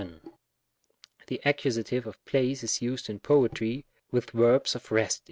The Accusa tive of place is used in poetry with verbs of rest.